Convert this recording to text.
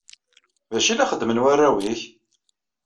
D acu i la xeddmen warraw-ik?